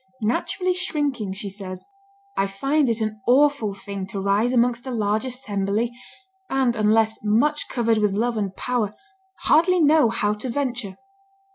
Naturally shrinking, she says, "I find it an awful thing to rise amongst a large assembly, and, unless much covered with love and power, hardly know how to venture."